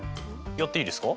やっていいですか？